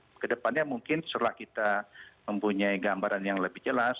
nah kedepannya mungkin setelah kita mempunyai gambaran yang lebih jelas